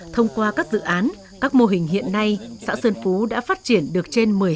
thông qua các dự án các mô hình hiện nay xã sơn phú đã phát triển được trên một mươi hectare chè san tuyết mới